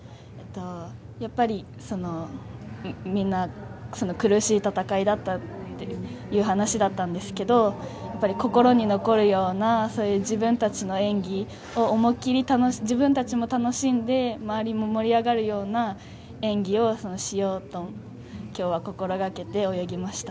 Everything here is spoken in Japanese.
やっぱりみんな苦しい戦いだったっていう話だったんですけれど、心に残るような自分たちの演技を思い切り自分たちも楽しんで周りも盛り上がるような演技をしようと、今日は心がけて泳ぎました。